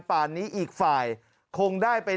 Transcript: ป่านนี้อีกฝ่ายคงได้เป็น